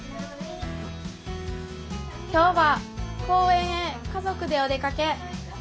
今日は公園へ家族でお出かけ。